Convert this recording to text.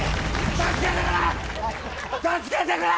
助けてくれ。